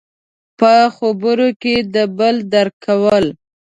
– په خبرو کې د بل درک کول.